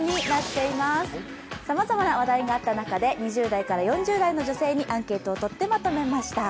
さまざまな話題があった中で２０代から４０代の女性にアンケートを取ってまとめました。